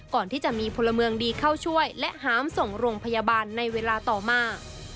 ก่อนที่จะมีพลเมืองดีเข้าช่วยและหามส่งโรงพยาบาลในเวลาต่อมา